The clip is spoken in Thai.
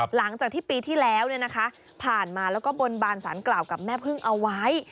หลังจากที่ปีที่แล้วผ่านมาแล้วก็บนบานสารกล่าวกับแม่พึ่งเอาไว้